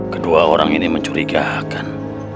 kedua orang ini mencurigakan